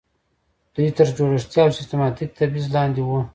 دوی تر جوړښتي او سیستماتیک تبعیض لاندې وو.